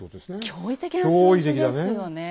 驚異的な数字ですよねえ。